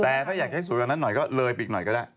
แต่ถ้าอยากจะให้สวยกว่านั้นหน่อยก็เลยไปอีกหน่อยก็ได้